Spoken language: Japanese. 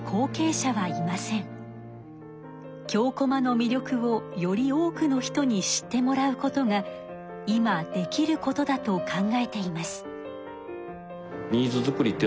京こまのみりょくをより多くの人に知ってもらうことが今できることだと考えています。